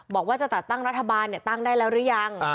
บอกว่าจะจัดตั้งรัฐบาลตั้งได้แล้วหรือยัง